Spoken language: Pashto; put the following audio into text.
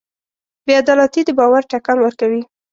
بېعدالتي د باور ټکان ورکوي.